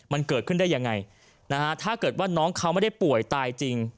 มันเกิดขึ้นได้ยังไงนะฮะถ้าเกิดว่าน้องเขาไม่ได้ป่วยตายจริง